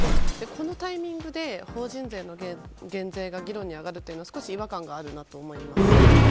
このタイミングで法人税の減税が議論に上がるのは少し違和感があるなと思います。